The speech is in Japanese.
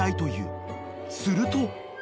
［すると］